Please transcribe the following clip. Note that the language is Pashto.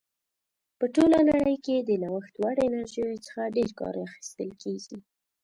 په ټوله نړۍ کې د نوښت وړ انرژیو څخه ډېر کار اخیستل کیږي.